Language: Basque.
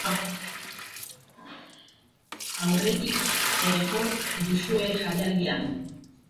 Aurretik ere jo duzue jaialdian.